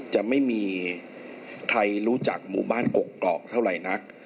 จะไม่มีใครรู้จักหมู่บ้านกกอกเท่าไหร่นัก